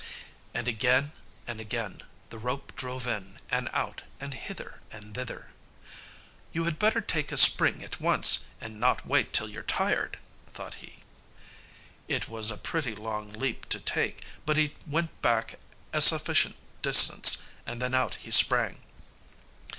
And, again and again, the rope drove in and out and hither and thither. "You had better take a spring at once, and not wait till you're tired," thought he. It was a pretty long leap to take, but he went back a sufficient distance, and then out he sprang.